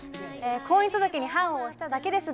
「婚姻届に判を捺しただけですが」